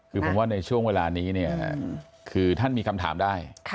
คือผมว่าในช่วงเวลานี้เนี่ยคือท่านมีคำถามได้